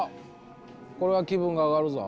これは気分が上がるぞ。